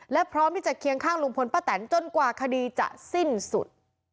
และพร้อมที่จะเคียงข้างลุงพลป้าแตนจนกว่าคดีจะสิ้นสุด